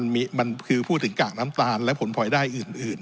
มันคือพูดถึงกากน้ำตาลและผลพลอยได้อื่น